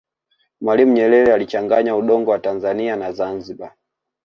mwalimu nyerere alichanganya udongo wa tanzania na zanzibar